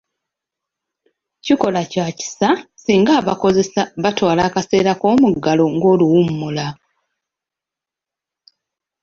Kikola kya kisa singa abakozesa batwala akaseera k'omuggalo ng'oluwummula.